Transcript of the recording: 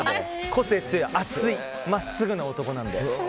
個性強い熱い真っすぐな男なので。